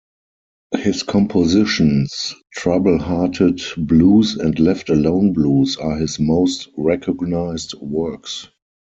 His compositions "Trouble Hearted Blues" and "Left Alone Blues" are his most recognized works.